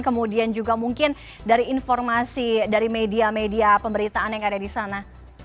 kemudian juga mungkin dari informasi dari media media pemberitaan yang ada di sana